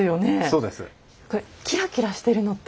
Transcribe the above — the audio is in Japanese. そうです。